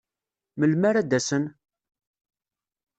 Melmi ara d-asen?